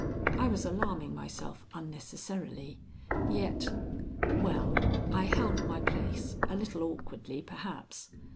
I was alarming myself unnecessarily, yet Well, I held my place, a little awkwardly, perhaps.